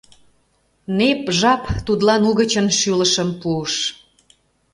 Нэп жап тудлан угычын шӱлышым пуыш.